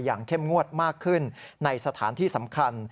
เข้มงวดมากขึ้นในสถานที่สำคัญ